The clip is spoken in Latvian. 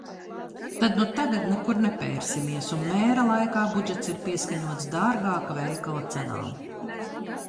Tad nu tagad nekur nepērsimies un mēra laikā budžets ir pieskaņots dārgāka veikala cenām.